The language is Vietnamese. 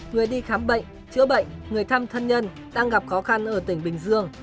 người đi khám bệnh chữa bệnh người thăm thân nhân đang gặp khó khăn ở tỉnh bình dương